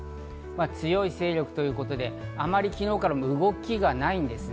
強い勢力ということで、あまり昨日から動きがないんですね。